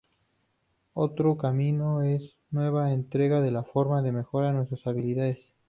Otro cambio en esta nueva entrega es la forma de mejorar nuestras habilidades.